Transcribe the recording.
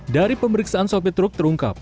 dari pemeriksaan sopi truk terungkap